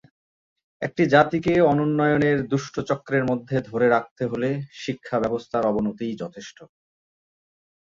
একটি জাতিকে অনুন্নয়নের দুষ্টচক্রের মধ্যে ধরে রাখতে হলে শিক্ষাব্যবস্থার অবনতিই যথেষ্ট।